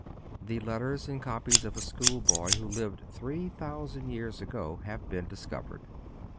The letters and copies of a schoolboy who lived three thousand years ago have been discovered.